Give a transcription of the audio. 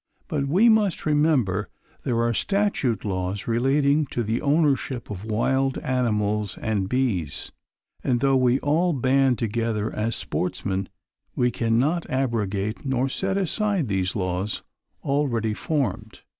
But we must remember there are statute laws relating to the ownership of wild animals and bees, and though we all band together as sportsmen, we cannot abrogate nor set aside these laws already formed.